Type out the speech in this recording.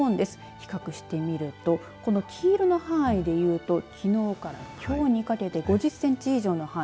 比較してみるとこの黄色の範囲で言うときのうからきょうにかけて５０センチ以上の範囲。